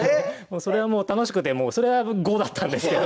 それはもう楽しくてそれは５だったんですけど。